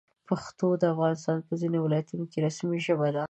پښتو د افغانستان په ځینو ولایتونو کې رسمي ژبه ده.